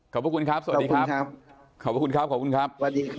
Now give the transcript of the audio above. ขอบคุณครับสวัสดีครับขอบคุณครับขอบคุณครับ